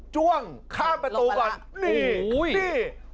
จ้วงข้ามประตูก่อน